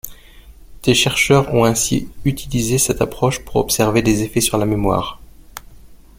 Des chercheurs ont ainsi utilisé cette approche pour observer des effets sur la mémoire.